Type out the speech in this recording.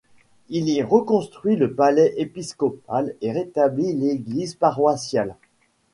Il y reconstruit le palais épiscopal et rétablit l'église paroissiale.